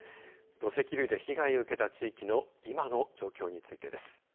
土石流で被害を受けた地域の今の状況についてです。